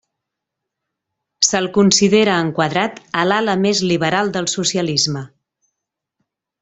Se'l considera enquadrat a l'ala més liberal del socialisme.